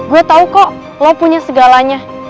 gue tau kok lo punya segalanya